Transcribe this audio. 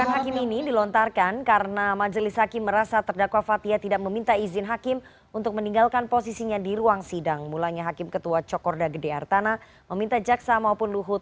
hakim sempat menegur terdakwa fathia lantaran meninggalkan posisinya di ruang sidang tanpa seizin majelis hakim